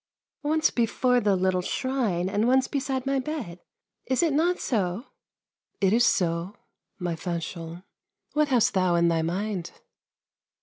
" Once before the little shrine, and once beside my bed — is it not so ?"" It is so, my Fanchon. What hast thou in thy mind?"